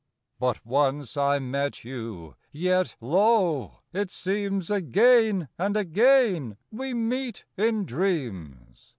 But once I met you; yet, lo! it seems Again and again we meet in dreams.